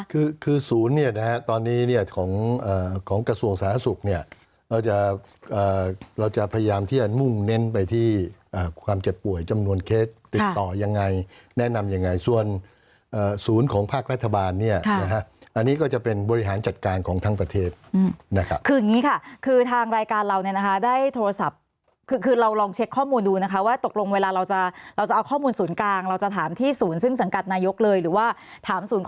คือคือศูนย์เนี่ยนะตอนนี้เนี่ยของของกระทรวงสาธารณสุขเนี่ยเราจะเราจะพยายามที่มุ่งเน้นไปที่ความเจ็บป่วยจำนวนเคสติดต่อยังไงแนะนำยังไงส่วนศูนย์ของภาครัฐบาลเนี่ยอันนี้ก็จะเป็นบริหารจัดการของทั้งประเทศคืออย่างนี้ค่ะคือทางรายการเราเนี่ยนะคะได้โทรศัพท์คือคือเราลองเช็คข้อมูลดู